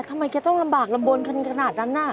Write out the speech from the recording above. ทำไมเกษตรวจลำบากลำบลขนาดนั้น